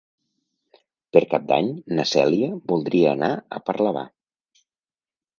Per Cap d'Any na Cèlia voldria anar a Parlavà.